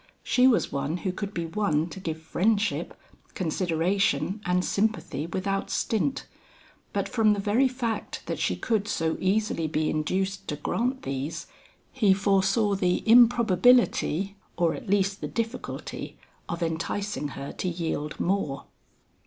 She was one who could be won to give friendship, consideration, and sympathy without stint; but from the very fact that she could so easily be induced to grant these, he foresaw the improbability, or at least the difficulty of enticing her to yield more.